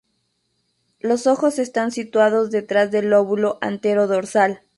Los ojos están situados detrás del lóbulo antero-dorsal.